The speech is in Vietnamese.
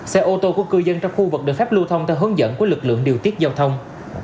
xe ô tô của cư dân trong khu vực được phép lưu thông theo hướng dẫn của lực lượng điều tiết giao thông